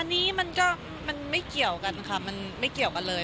อันนี้มันก็มันไม่เกี่ยวกันค่ะมันไม่เกี่ยวกันเลย